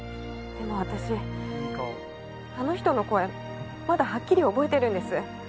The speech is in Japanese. でも私あの人の声まだはっきり覚えてるんです。